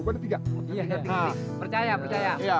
iya ngerti percaya percaya